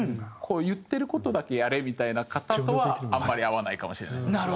言ってる事だけやれみたいな方とはあんまり合わないかもしれないですね。